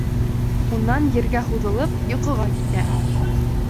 Унан ергә һуҙылып, йоҡоға китә.